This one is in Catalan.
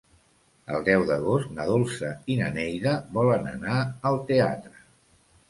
El deu d'agost na Dolça i na Neida volen anar al teatre.